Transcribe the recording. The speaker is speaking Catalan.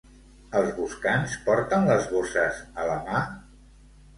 Els boscans porten les bosses a la mà?